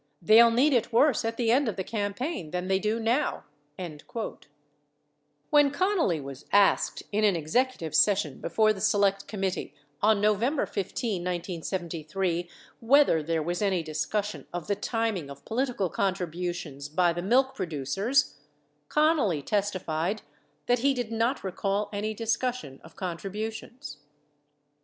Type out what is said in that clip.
. They'll need it worse at the end of the campaign than they do now." 1 When Connally was asked in an executive session before the Select Committee on November 15, 1973, whether there was any discussion of the timing of political contributions by the milk producers, Connally testified that he did not recall any discussion of contributions.